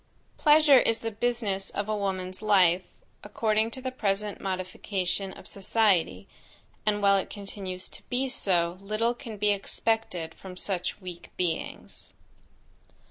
Pleasure is the business of a woman's life, according to the present modification of society, and while it continues to be so, little can be expected from such weak beings.